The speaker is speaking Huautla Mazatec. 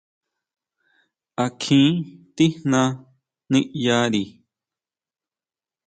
¿A kjín tijná niʼyari!